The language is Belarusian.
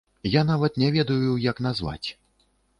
Я нават не ведаю, як назваць.